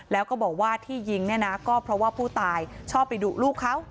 แล้วก็บอกว่าที่ยิงเนี่ยนะก็เพราะว่าผู้ตายชอบไปดุลูกเขา